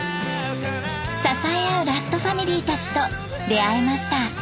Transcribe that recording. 支え合うラストファミリーたちと出会えました。